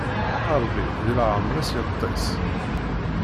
Ṛebbi di leɛmeṛ-is yeṭṭis.